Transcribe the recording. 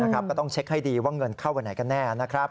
ก็ต้องเช็คให้ดีว่าเงินเข้าวันไหนกันแน่นะครับ